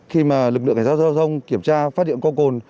khi mà lực lượng cảnh sát giao thông kiểm tra phát điện có cồn